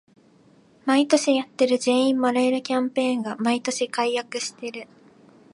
毎年やってる全員もらえるキャンペーンが毎年改悪してる